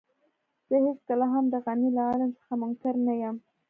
زه هېڅکله هم د غني له علم څخه منکر نه يم.